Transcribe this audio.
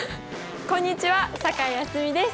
こんにちは酒井蒼澄です。